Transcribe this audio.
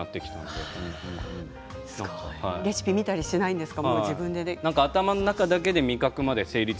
すごい、レシピを見たりしないですか？